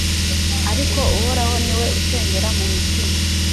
ariko uhoraho ni we ucengera mu mitima